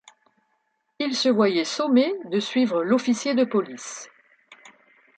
Il se voyait sommé de suivre l’officier de police.